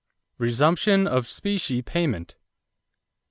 =Resumption of Specie Payment.